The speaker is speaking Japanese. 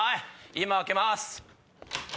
今開けます。